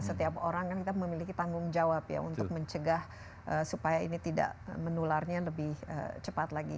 setiap orang kan kita memiliki tanggung jawab ya untuk mencegah supaya ini tidak menularnya lebih cepat lagi